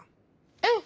うん！